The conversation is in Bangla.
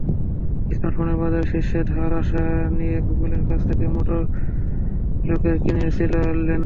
স্মার্টফোনের বাজারে শীর্ষে যাওয়ার আশা নিয়ে গুগলের কাছ থেকে মটোরোলাকে কিনেছিল লেনোভো।